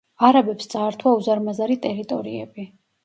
არაბებს წაართვა უზარმაზარი ტერიტორიები.